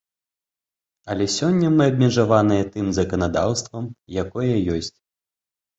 Але сёння мы абмежаваныя тым заканадаўствам, якое ёсць.